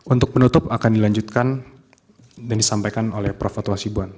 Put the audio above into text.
untuk penutup akan dilanjutkan dan disampaikan oleh prof fatwa sibuan